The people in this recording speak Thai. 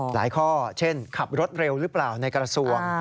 ข้อเช่นขับรถเร็วหรือเปล่าในกระทรวง